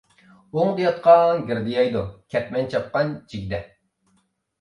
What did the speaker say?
ئوڭدا ياتقان گىردە يەيدۇ، كەتمەن چاپقان جىگدە.